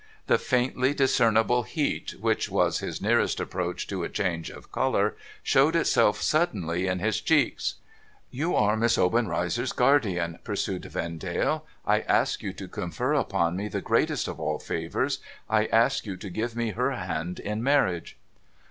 The faintly discernible beat, which was his nearest approach to a change of colour, showed itself suddenly in his cheeks. ' You are Miss Obenreizer's guardian,' pursued Vendale. ' I ask you to confer upon me the greatest of all favours — I ask you to give me her hand in marriage.'